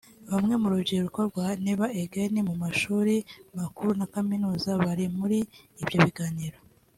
Bamwe mu rubyiruko rwa Never Again mu mashuri makuru na kaminuza bari muri ibyo biganiro